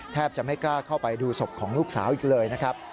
แทบจะไม่กล้าเข้าไปดูศพของลูกสาวอีกเลยนะครับ